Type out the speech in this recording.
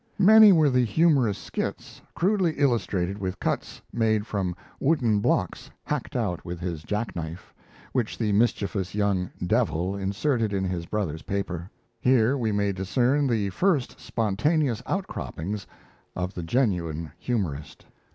Many were the humorous skits, crudely illustrated with cuts made from wooden blocks hacked out with his jack knife, which the mischievous young "devil" inserted in his brother's paper. Here we may discern the first spontaneous outcroppings of the genuine humorist.